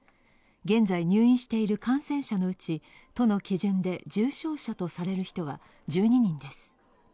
現在入院している感染者のうち、都の基準で重症者とされる人は１２人です。